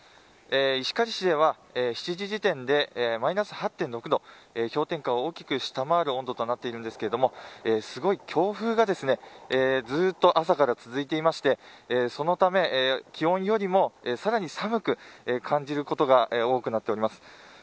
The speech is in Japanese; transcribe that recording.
石狩市では、７時時点でマイナス８．６度氷点下を大きく下回る温度となっているんですけどすごい強風がずっと朝から続いていましてそのため、気温よりもさらに寒く感じることが多くなっております。